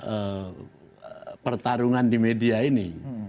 apa yang akan diharungkan di media ini